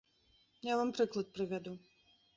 Я вам прыклад прывяду.